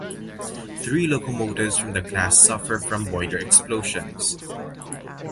Three locomotives from the class suffered from boiler explosions.